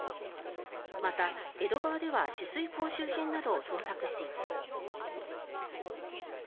また、江戸川では取水口周辺などを捜索しています。